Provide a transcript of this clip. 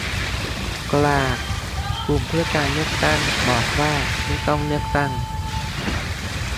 กร๊าก - กลุ่มเพื่อการเลือกตั้ง บอกว่าไม่ต้องเลือกตั้ง